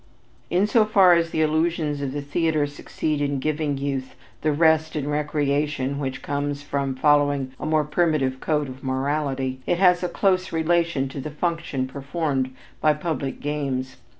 In so far as the illusions of the theater succeed in giving youth the rest and recreation which comes from following a more primitive code of morality, it has a close relation to the function performed by public games.